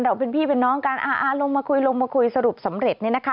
เราเป็นพี่เป็นน้องกันลงมาคุยลงมาคุยสรุปสำเร็จ